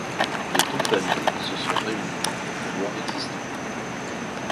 Les deux familles se sont réunies pour pouvoir exister.